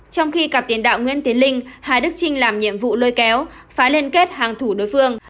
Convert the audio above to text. trong khi cặp tiền đạo nguyễn tiến linh hà đức trinh làm nhiệm vụ lôi kéo phá liên kết hàng thủ đối phương